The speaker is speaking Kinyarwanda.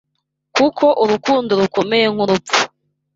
Kuko urukundo rukomeye nk’urupfu